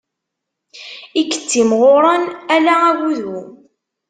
I yettimɣuṛen ala agudu.